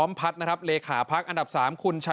อันนี้จะต้องจับเบอร์เพื่อที่จะแข่งกันแล้วคุณละครับ